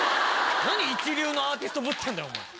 何一流のアーティストぶってんだよ！